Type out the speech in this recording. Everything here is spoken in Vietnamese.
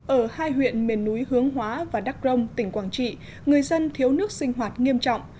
ở hai huyện miền núi hướng hóa và đắk rông tỉnh quảng trị người dân thiếu nước sinh hoạt nghiêm trọng